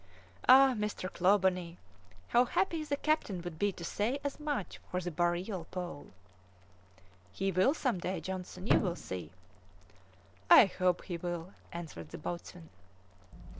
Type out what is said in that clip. "Ah, Mr. Clawbonny! how happy the captain would be to say as much of the boreal pole!" "He will some day, Johnson, you will see." "I hope he will," answered the boatswain.